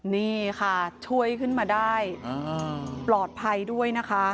นี่ค่ะช่วยขึ้นมาได้ปลอดภัยด้วยนะคะ